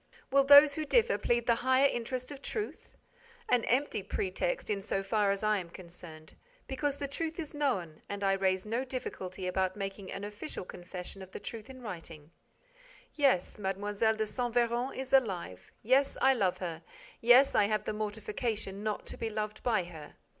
Will those who differ plead the higher interest of truth? An empty pretext in so far as I am concerned, because the truth is known and I raise no difficulty about making an official confession of the truth in writing. Yes, Mlle. de Saint Véran is alive. Yes, I love her. Yes, I have the mortification not to be loved by her.